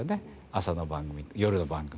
朝の番組夜の番組。